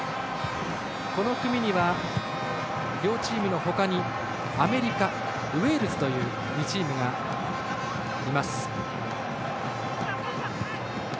この組には両チームのほかにアメリカ、ウェールズという２チームがいます。